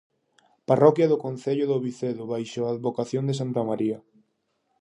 Parroquia do concello do Vicedo baixo a advocación de santa María.